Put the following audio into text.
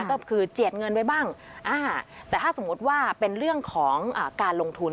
ก็คือเจียดเงินไว้บ้างแต่ถ้าสมมุติว่าเป็นเรื่องของการลงทุน